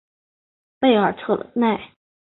贝尔特奈。